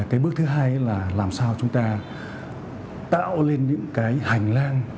cái bước thứ hai là làm sao chúng ta tạo lên những cái hành lang